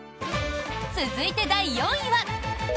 続いて第４位は。